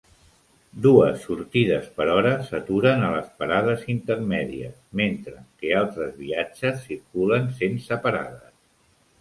Dues sortides per hora s'aturen a les parades intermèdies mentre que altres viatges circulen sense parades.